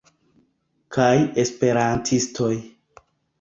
kaj esperantistoj.